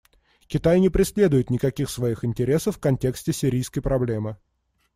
Китай не преследует никаких своих интересов в контексте сирийской проблемы.